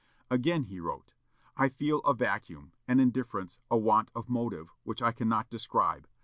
Again he wrote, "I feel a vacuum, an indifference, a want of motive, which I cannot describe.